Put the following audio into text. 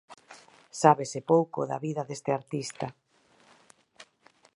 Sábese pouco da vida deste artista.